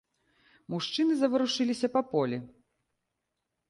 Мужчыны заварушыліся па полі.